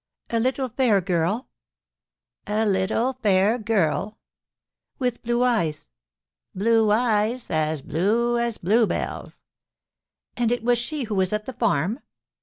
"A little fair girl?" "A little fair girl." "With blue eyes?" "Blue eyes as blue as blue bells." "And it was she who was at the farm?"